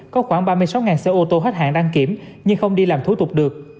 có khoảng ba mươi sáu xe ô tô hết hạn đăng kiểm nhưng không đi làm thủ tục được